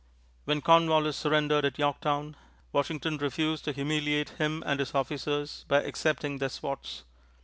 When Cornwallis surrendered at Yorktown, Washington refused to humiliate him and his officers by accepting their swords.